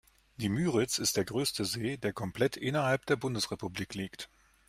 Die Müritz ist der größte See, der komplett innerhalb der Bundesrepublik liegt.